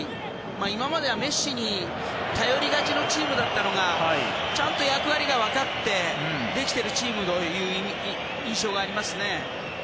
今まではメッシに頼りがちなチームだったのがちゃんと役割が分かってできているチームという印象がありますね。